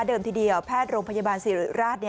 ทีเดียวแพทย์โรงพยาบาลสิริราช